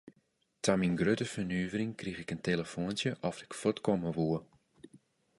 Ta myn grutte fernuvering krige ik in telefoantsje oft ik fuort komme woe.